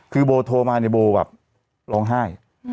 คือโบโทรมาเนี่ยโบแบบร้องไห้